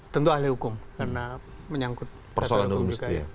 tentu ahli hukum karena menyangkut persoalan hukum juga